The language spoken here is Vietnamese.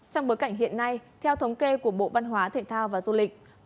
trong bối cảnh hiện nay theo thống kê của bộ văn hóa thể thao và du lịch